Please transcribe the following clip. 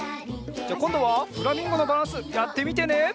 じゃこんどはフラミンゴのバランスやってみてね。